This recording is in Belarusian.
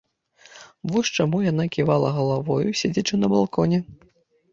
Вось чаму яна ківала галавою, седзячы на балконе.